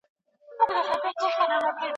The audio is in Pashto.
د خپلو اوښکو د غمو په بدل